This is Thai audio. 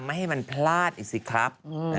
ไม่ให้มันพลาดอีกสิครับ